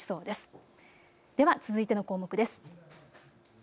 では続いての項目です。